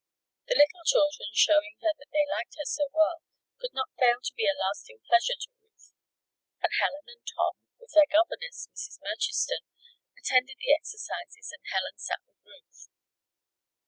The little children showing her that they liked her so well, could not fail to be a lasting pleasure to Ruth. And Helen and Tom, with their governess, Mrs. Murchiston, attended the exercises, and Helen sat with Ruth.